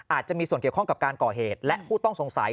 อาจจะมีส่วนเกี่ยวข้องกับการก่อเหตุและผู้ต้องสงสัย